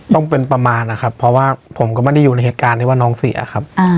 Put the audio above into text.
ต้องเป็นประมาณนะครับเพราะว่าผมก็ไม่ได้อยู่ในเหตุการณ์ที่ว่าน้องเสียครับ